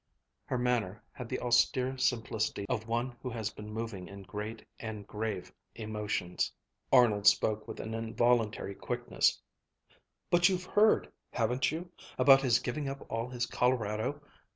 Her manner had the austere simplicity of one who has been moving in great and grave emotions. Arnold spoke with an involuntary quickness: "But you've heard, haven't you, about his giving up all his Colorado